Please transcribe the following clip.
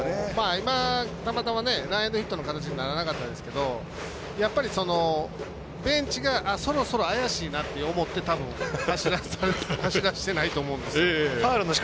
今、たまたまランエンドヒットの形にならなかったですけどベンチがそろそろ怪しいなと思って走らせてないと思うんです。